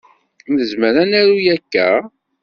Nezmer ad naru akka?